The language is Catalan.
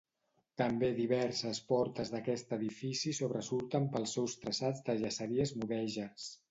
També diverses portes d'aquest edifici sobresurten pels seus traçats de llaceries mudèjars.